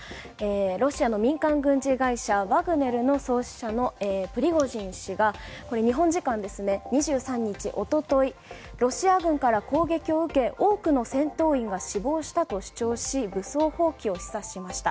ロシアの民間軍事会社ワグネルの創始者のプリゴジン氏が日本時間２３日ロシア軍から攻撃を受け多くの戦闘員が死亡したと主張し武装蜂起を示唆しました。